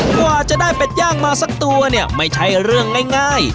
กว่าจะได้เป็ดย่างมาสักตัวเนี่ยไม่ใช่เรื่องง่าย